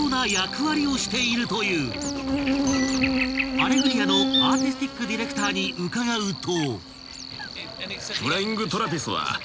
［『アレグリア』のアーティスティックディレクターに伺うと］